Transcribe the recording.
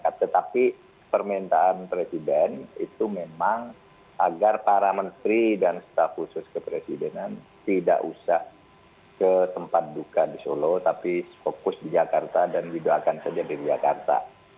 tetapi permintaan presiden itu memang agar para menteri dan staf khusus kepresidenan tidak usah ke tempat duka di solo tapi fokus di jakarta dan didoakan saja dari jakarta